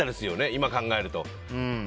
今、考えると。